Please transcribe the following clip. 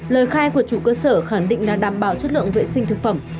lời khai của chủ cơ sở khẳng định là đảm bảo chất lượng vệ sinh thực phẩm